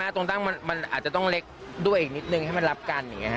ตรงดั้งมันอาจจะต้องเล็กด้วยอีกนิดหนึ่งให้มันรับกัน